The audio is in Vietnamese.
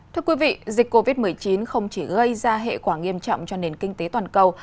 thưa quý vị dịch covid một mươi chín không chỉ gây ra hệ quả nghiêm trọng cho nền kinh tế toàn cầu